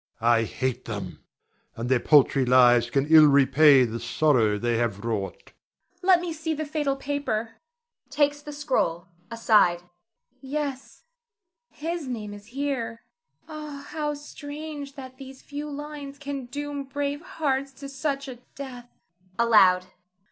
I hate them, and their paltry lives can ill repay the sorrow they have wrought. Zara. Let me see the fatal paper. [Takes the scroll; aside.] Yes, his name is here. Ah, how strange that these few lines can doom brave hearts to such a death! [_Aloud.